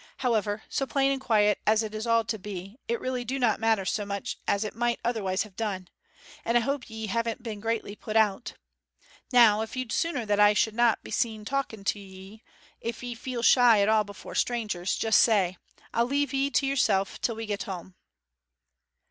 However, so plain and quiet as it is all to be, it really do not matter so much as it might otherwise have done, and I hope ye haven't been greatly put out. Now, if you'd sooner that I should not be seen talking to 'ee if 'ee feel shy at all before strangers just say. I'll leave 'ee to yourself till we get home.'